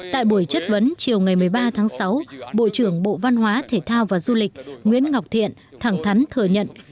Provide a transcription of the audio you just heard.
tại buổi chất vấn chiều ngày một mươi ba tháng sáu bộ trưởng bộ văn hóa thể thao và du lịch nguyễn ngọc thiện thẳng thắn thừa nhận